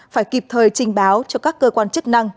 phải kịp thời trình báo cho các cơ quan chức năng